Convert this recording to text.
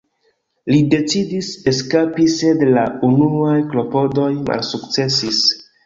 Li decidis eskapi sed la unuaj klopodoj malsukcesis.